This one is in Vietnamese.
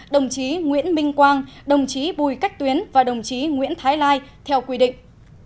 đồng chí nguyễn minh quang đồng chí bùi cách tuyến và đồng chí nguyễn thái lai theo quy định